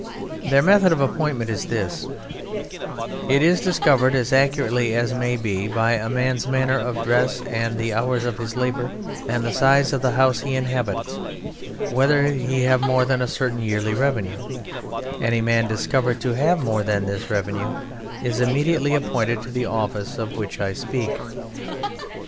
Their method of appointment is this: it is discovered as accurately as may be by a man's manner of dress and the hours of his labour and the size of the house he inhabits, whether he have more than a certain yearly revenue; any man discovered to have more than this revenue is immediately appointed to the office of which I speak.